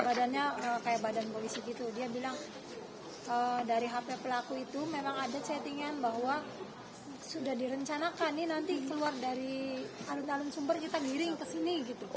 badannya kayak badan polisi gitu dia bilang dari hp pelaku itu memang ada settingan bahwa sudah direncanakan nih nanti keluar dari alun alun sumber kita giring ke sini gitu